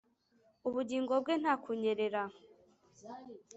ubugingo bwe nta kunyerera -